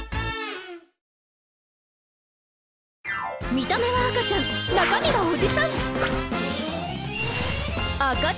見た目は赤ちゃん中身はおじさん！